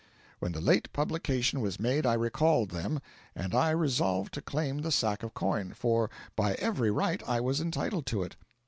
When the late publication was made I recalled them, and I resolved to claim the sack of coin, for by every right I was entitled to it.